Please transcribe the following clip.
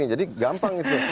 jadi gampang itu